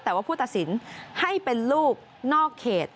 แต่ว่าผู้ตัดสินให้เป็นลูกนอกเขต